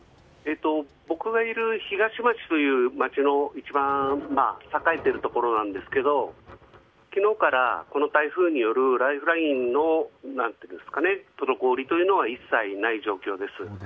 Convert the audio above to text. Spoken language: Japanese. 僕がいる町の一番栄えているところなんですが昨日から台風によるライフラインの滞りというのはない状況です。